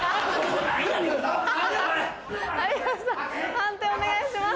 判定お願いします。